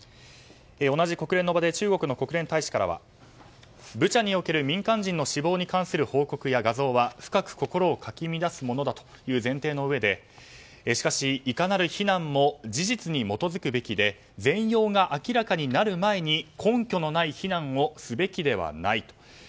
同じ国連の場で中国の国連大使からはブチャにおける民間人の死亡に関する報告や画像は深く心をかき乱すものだという前提のうえでしかし、いかなる非難も事実に基づくべきで全容が明らかになる前に根拠のない非難をすべきではないと。